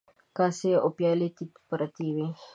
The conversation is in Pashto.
کاسې او پيالې تيت پرتې وې.